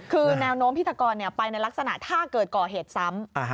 คือแนวโน้มพิธีกรไปในลักษณะถ้าเกิดก่อเหตุซ้ำ